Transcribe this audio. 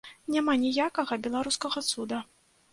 Няма ніякага беларускага цуда.